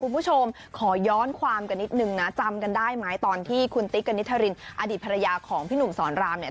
คุณผู้ชมขอย้อนความกันนิดนึงนะจำกันได้ไหมตอนที่คุณติ๊กกณิชรินอดีตภรรยาของพี่หนุ่มสอนรามเนี่ย